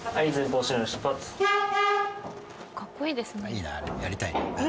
いいなあれやりたいな。